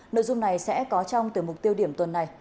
nội dung này sẽ có trong từ mục tiêu điểm tuần này